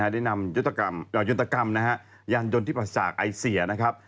ได้นำยนตกรรมนะฮะยานยนต์ที่ประสาทไอเสียนะครับ